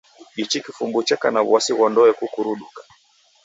Ichi kifumbu cheka na w'asi ghwa ndoe kukuruduka.